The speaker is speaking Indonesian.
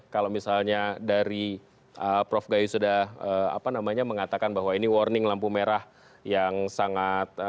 kalau misalnya dari prof gayu sudah mengatakan bahwa ini warning lampu merah yang sangat